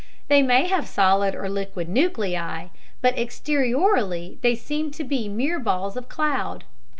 They may have solid or liquid nuclei, but exteriorly they seem to be mere balls of cloud.